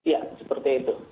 ya seperti itu